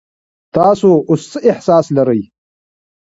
تاسو اوس څه احساس لرئ؟